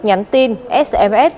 nhắn tin sms